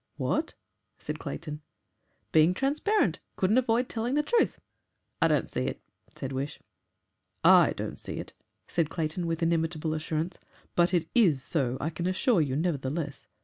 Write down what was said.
"What?" said Clayton. "Being transparent couldn't avoid telling the truth I don't see it," said Wish. "I don't see it," said Clayton, with inimitable assurance. "But it IS so, I can assure you nevertheless.